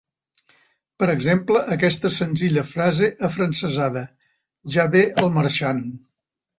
Per exemple aquesta senzilla frase afrancesada: Ja ve el marxant.